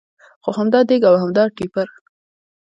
خو همدا دېګ او همدا ټېپر.